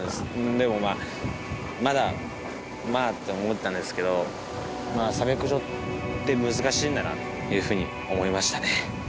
でもまあまだ「まあ」って思ったんですけどサメ駆除って難しいんだなっていう風に思いましたね。